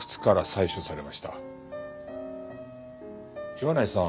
岩内さん